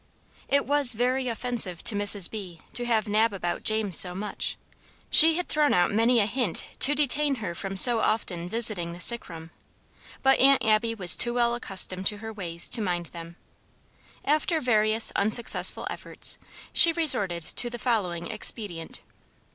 It was very offensive to Mrs. B. to have Nab about James so much. She had thrown out many a hint to detain her from so often visiting the sick room; but Aunt Abby was too well accustomed to her ways to mind them. After various unsuccessful efforts, she resorted to the following expedient.